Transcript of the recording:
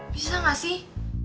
bisa gak sih